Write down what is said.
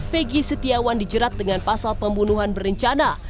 pegi setiawan dijerat dengan pasal pembunuhan berencana